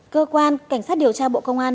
cơ quan cảnh sát điều tra bộ công an